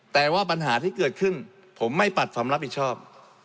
แต่ว่าปัญหาที่เกิดขึ้นผมไม่ปัดความรับผิดชอบ